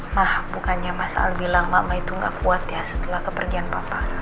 ma bukannya mas al bilang mama itu gak kuat ya setelah kepergian papa